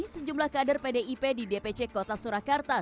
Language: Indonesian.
sejumlah kader pdip di dpc kota surakarta